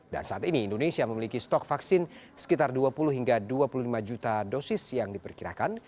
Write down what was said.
saat ini indonesia memiliki stok vaksin sekitar dua puluh hingga dua puluh lima juta dosis yang diperkirakan